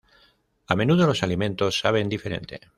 A menudo, los alimentos saben diferente.